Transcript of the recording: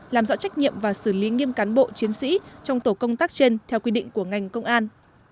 làm rõ trách nhiệm và xử lý nghiêm cán bộ chiến sĩ trong tổ công tác trên theo quy định của ngành công an